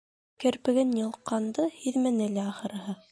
Керпеген йолҡҡанды һиҙмәне лә, ахырыһы.